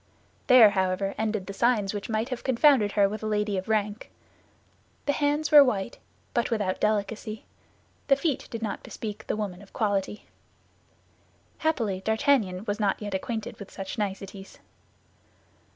There, however, ended the signs which might have confounded her with a lady of rank. The hands were white, but without delicacy; the feet did not bespeak the woman of quality. Happily, D'Artagnan was not yet acquainted with such niceties.